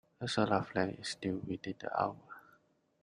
A solar flare is due within the hour.